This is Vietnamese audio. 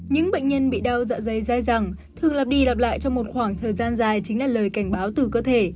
những bệnh nhân bị đau dạ dày dai dẳng thường lặp đi lặp lại trong một khoảng thời gian dài chính là lời cảnh báo từ cơ thể